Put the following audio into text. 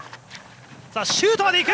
シュートまで行く！